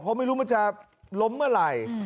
เพราะไม่รู้มันจะล้มเมื่อไหร่